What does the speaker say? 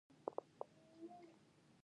آیا د نشه یي توکو کارول بد نه ګڼل کیږي؟